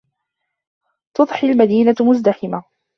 تُضْحِي الْمَدِينَةُ مُزْدَحِمَةً.